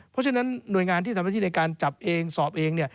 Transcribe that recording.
เพราะฉะนั้นหน่วยงานที่ทำหน้าที่ในการจับเองสอบเอง